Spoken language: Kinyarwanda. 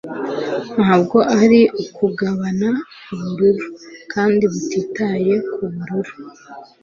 ntabwo ari ukugabana ubururu kandi butitaye kubururu